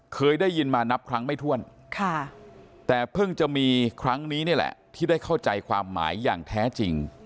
เคยได้ยินมานับครั้งไม่ถ้วนแต่เพิ่งจะมีครั้งนี้นี่แหละที่ได้เข้าใจความหมายอย่างแท้จริง